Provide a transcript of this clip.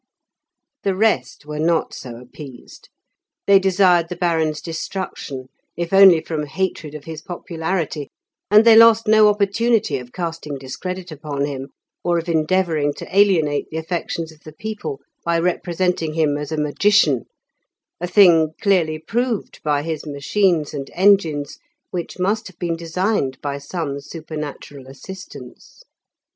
The rest were not so appeased; they desired the Baron's destruction if only from hatred of his popularity, and they lost no opportunity of casting discredit upon him, or of endeavouring to alienate the affections of the people by representing him as a magician, a thing clearly proved by his machines and engines, which must have been designed by some supernatural assistance.